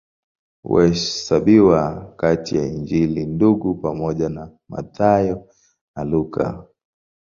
Huhesabiwa kati ya Injili Ndugu pamoja na Mathayo na Luka.